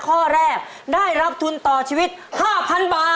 ข้อแรกได้รับทุนต่อชีวิต๕๐๐๐บาท